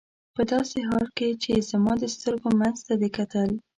په داسې حال کې چې زما د سترګو منځ ته دې کتل.